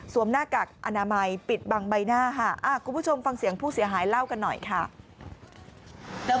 หน้ากากอนามัยปิดบังใบหน้าค่ะคุณผู้ชมฟังเสียงผู้เสียหายเล่ากันหน่อยค่ะ